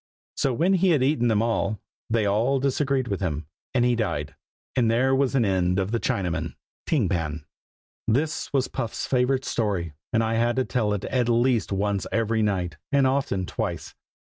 So when he had eaten them all, they all disagreed with him, and he died. And there was an end of the Chinaman, Ting Pan. This was Puff's favorite story, and I had to tell it at least once every night, and often twice.